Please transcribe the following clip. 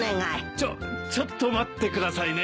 ちょちょっと待ってくださいね。